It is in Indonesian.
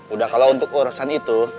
udah kalau untuk urusan itu